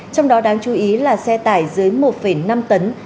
trong đó đáng chú ý là xe tải dưới một năm tấn